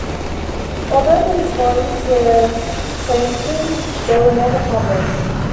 Although these volumes were sanctioned, they were never published.